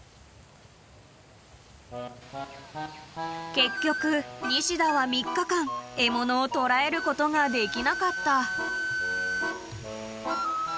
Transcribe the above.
［結局ニシダは３日間獲物を捕らえることができなかった］